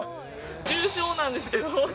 重症なんですけど。